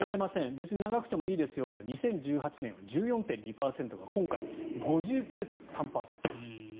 別に長くてもいいですよが２０１８年は１４．２％が今回、５９．３％。